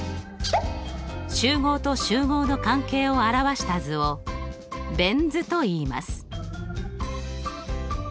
集合と集合の関係を表した図をベン図といいます。